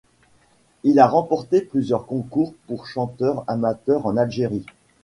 Il a remporté plusieurs concours pour chanteurs amateurs en Algérie.